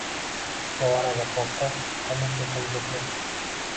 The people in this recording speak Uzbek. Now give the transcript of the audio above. Tevarak atrofda hamisha jimjitlik